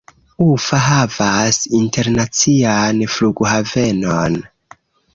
Ufa havas internacian flughavenon.